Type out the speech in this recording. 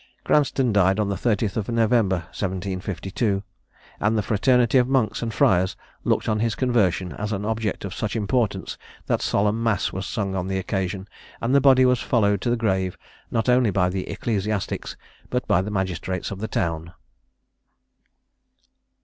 Cranstoun died on the 30th of November, 1752; and the fraternity of monks and friars looked on his conversion as an object of such importance, that solemn mass was sung on the occasion, and the body was followed to the grave not only by the ecclesiastics, but by the magistrates of the town.